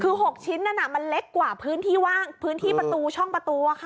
คือ๖ชิ้นนั้นมันเล็กกว่าพื้นที่ว่างพื้นที่ประตูช่องประตู